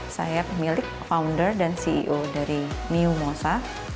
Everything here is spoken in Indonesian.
saya pemilik founder dan ceo dari new mosa